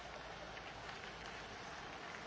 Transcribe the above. สวัสดีครับ